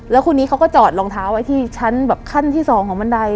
แล้วคนนี้เขาก็จอดรองเท้าไว้ที่ชั้นแบบขั้นที่๒ของบันได